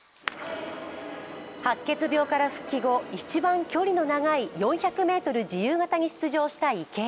白血病から復帰後、一番距離の長い４００ｍ自由形に出場した池江。